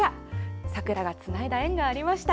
桜がつないだ縁がありました。